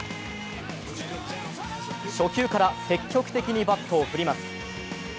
初球から積極的にバットを振ります。